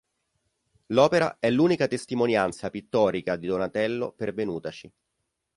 L'opera è l'unica testimonianza pittorica di Donatello pervenutaci.